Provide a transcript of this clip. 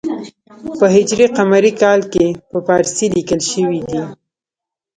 په ه ق کال کې په پارسي لیکل شوی دی.